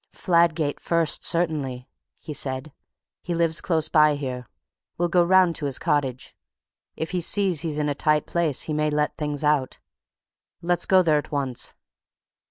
"Fladgate first, certainly," he said. "He lives close by here; we'll go round to his cottage. If he sees he's in a tight place he may let things out. Let's go there at once."